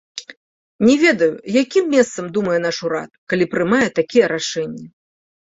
Не ведаю, якім месцам думае наш урад, калі прымае такія рашэнні.